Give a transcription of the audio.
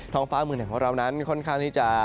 ฟ้าเมืองไทยของเรานั้นค่อนข้างที่จะ